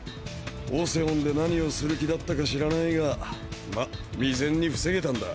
オセオンで何をする気だったか知らないがま未然に防げたんだ。